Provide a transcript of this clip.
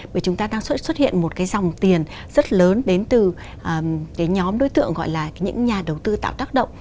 bởi vì chúng ta đang xuất hiện một cái dòng tiền rất lớn đến từ cái nhóm đối tượng gọi là những nhà đầu tư tạo tác động